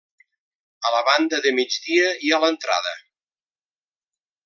A la banda de migdia hi ha l'entrada.